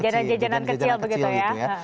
jajanan jajanan kecil begitu ya